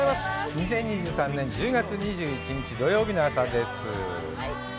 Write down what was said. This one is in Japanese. ２０２３年１０月２１日、土曜日の朝です。